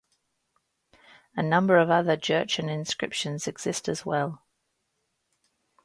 A number of other Jurchen inscriptions exist as well.